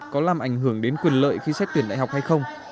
có làm ảnh hưởng đến quyền lợi khi xét tuyển đại học hay không